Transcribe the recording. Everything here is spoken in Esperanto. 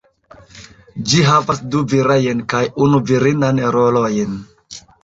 Ĝi havas du virajn kaj unu virinan rolojn.